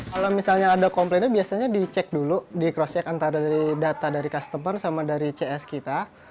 kalau misalnya ada komplainnya biasanya dicek dulu di cross check antara dari data dari customer sama dari cs kita